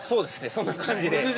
そんな感じで。